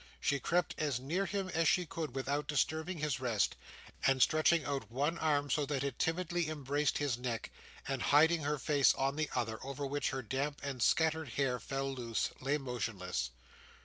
She crept as near him as she could without disturbing his rest; and stretching out one arm so that it timidly embraced his neck, and hiding her face on the other, over which her damp and scattered hair fell loose, lay motionless.